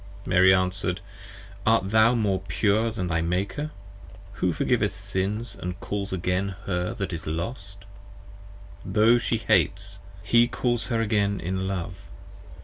Mary answer'd, Art thou more pure Than thy Maker, who forgiveth Sins & calls again Her that is Lost? Tho' She hates, he calls her again in love.